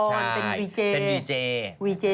เป็นดีเจ